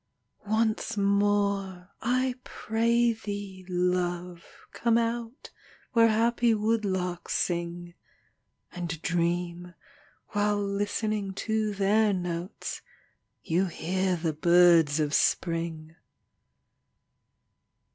Once more, I pray thee, love, come out, Where happy woodlarks sing, And dream, while listening to their notes, You hear the birds of Spring.